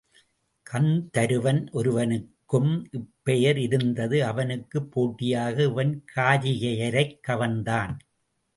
கந்தருவன் ஒருவனுக்கும் இப்பெயர் இருந்தது அவனுக்குப் போட்டியாக இவன் காரிகையரைக் கவர்ந்தான்.